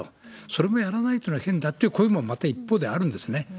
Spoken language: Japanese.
それもやらないってのは変だっていう声も一方であるんですね。